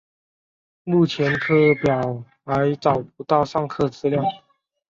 目前课表还找不到上课资料